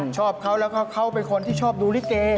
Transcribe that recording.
ชอบเขาแล้วก็เขาเป็นคนที่ชอบดูลิเก